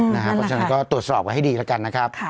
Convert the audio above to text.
เพราะฉะนั้นก็ตรวจสอบกันให้ดีแล้วกันนะครับ